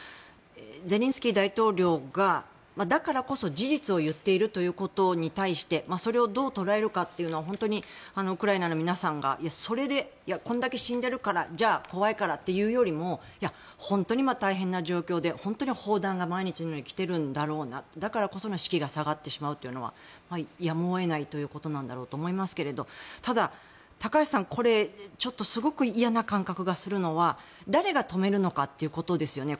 ゼレンスキー大統領がだからこそ、事実を言っているということに対してそれをどう捉えるかというのはウクライナの皆さんがそれで、これだけ死んでいるからじゃあ、怖いからっていうよりも本当に大変な状況で本当に砲弾が毎日のように来ているんだろうなだからこそ士気が下がってしまうというのはやむを得ないことなんだろうと思いますがただ、高橋さん、これ、ちょっとすごく嫌な感覚がするのは誰が止めるのかということですよね。